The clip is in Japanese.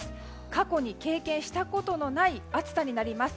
過去に経験したことのない暑さになります。